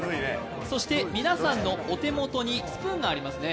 皆さんのお手元にスプーンがありますね。